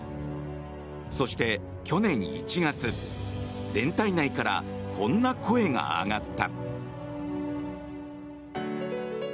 そして去年１月連隊内からこんな声が上がった。